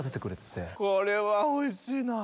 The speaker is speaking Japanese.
これはおいしいなぁ！